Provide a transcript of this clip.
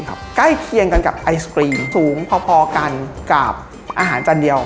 ใกล้เคียงกันกับไอศกรีมสูงพอพอกันกับอาหารจานเดียว